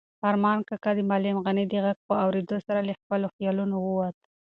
ارمان کاکا د معلم غني د غږ په اورېدو سره له خپلو خیالونو ووت.